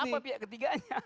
apa pihak ketiganya